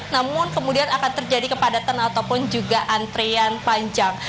namun kemudian akan terjadi kepadatan ataupun juga antrian panjang